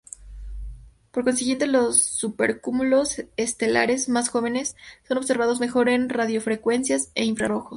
Por consiguiente, los supercúmulos estelares más jóvenes son observados mejor en radiofrecuencias e infrarrojos.